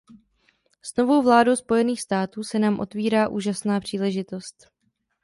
S novou vládou Spojených států se nám otvírá úžasná příležitost.